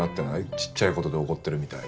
ちっちゃい事で怒ってるみたいな。